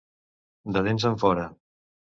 De dents enfora.